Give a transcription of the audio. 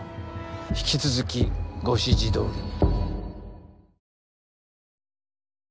引き続きご指示どおりに。